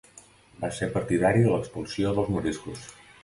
Va ser partidari de l'expulsió dels moriscos.